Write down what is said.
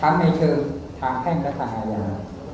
ทั้งในเชิงทางแพ่งและทางอาหาร